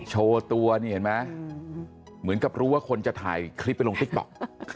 โชว์ตัวนี่เห็นไหมเหมือนกับรู้ว่าคนจะถ่ายคลิปไปลงติ๊กต๊อก